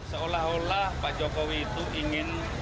seolah olah pak jokowi itu ingin